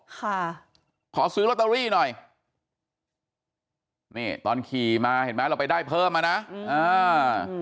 ค่ะขอซื้อลอตเตอรี่หน่อยนี่ตอนขี่มาเห็นไหมเราไปได้เพิ่มมานะอืมอ่า